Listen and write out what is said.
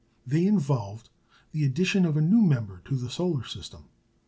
They involved the addition of a new member to the solar system.